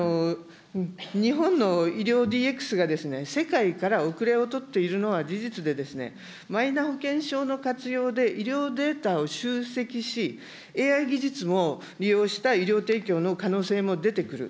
日本の医療ＤＸが世界から後れを取っているのは事実でですね、マイナ保険証の活用で医療データを集積し、ＡＩ技術も利用した医療提供の可能性も出てくる。